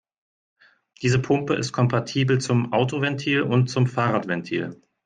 Diese Pumpe ist kompatibel zum Autoventil und zum Fahrradventil.